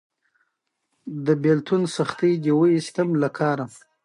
پاڼې ورو ورو له ونو رالوېږي